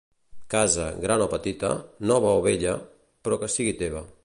Casa, gran o petita, nova o vella; però que sigui teva.